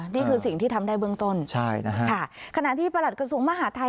นี่คือสิ่งที่ทำได้เบื้องต้นค่ะขณะที่ประหลัดกระสุนมหาธัย